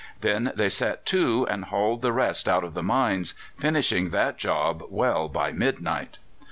Then they set to and hauled the rest out of the mines, finishing that job well by midnight.